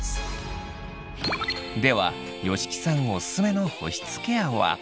では吉木さんオススメの保湿ケアは？